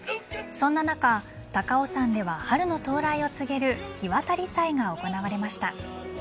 そんな中、高尾山では春の到来を告げる火渡り祭が行われました。